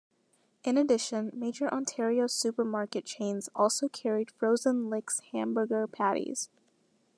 In addition, major Ontario supermarket chains also carried frozen Lick's hamburger patties.